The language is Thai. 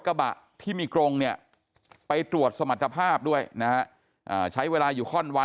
กระบะที่มีกรงเนี่ยไปตรวจสมรรถภาพด้วยนะฮะใช้เวลาอยู่ข้อนวัน